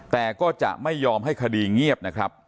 แต่ก็จะไม่ยอมให้คดีเงียบนะครับ